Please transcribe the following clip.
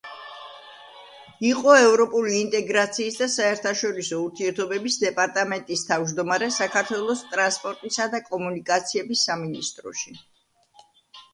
იყო ევროპული ინტეგრაციის და საერთაშორისო ურთიერთობების დეპარტამენტის თავმჯდომარე საქართველოს ტრანსპორტისა და კომუნიკაციების სამინისტროში.